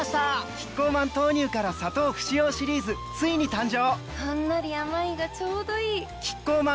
キッコーマン豆乳から砂糖不使用シリーズついに誕生！